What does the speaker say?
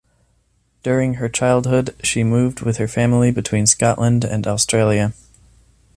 During her childhood she moved with her family between Scotland and Australia.